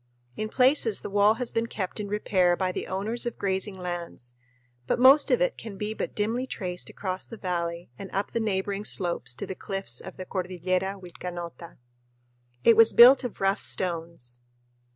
In places the wall has been kept in repair by the owners of grazing lands, but most of it can be but dimly traced across the valley and up the neighboring slopes to the cliffs of the Cordillera Vilcanota. It was built of rough stones.